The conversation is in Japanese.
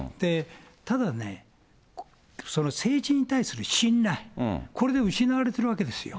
ただね、その政治に対する信頼、これが失われているわけですよ。